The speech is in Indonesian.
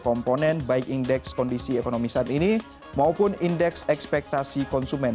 komponen baik indeks kondisi ekonomi saat ini maupun indeks ekspektasi konsumen